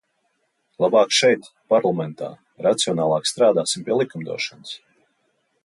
Labāk šeit, parlamentā, racionālāk strādāsim pie likumdošanas!